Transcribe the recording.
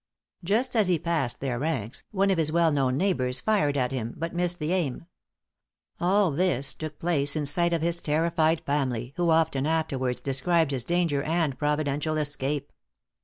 Just as he passed their ranks, one of his well known neighbors fired at him, but missed the aim. All this took place in the sight of his terrified family, who often afterwards described his danger and providential escape.